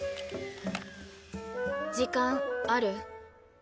時間ある？